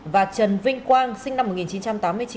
và trần vinh quang sinh năm một nghìn chín trăm tám mươi chín